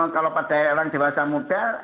kalau pada orang dewasa muda